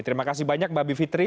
terima kasih banyak mbak bivitri